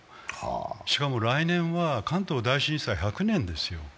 しかも来年は関東大震災１００年ですよ。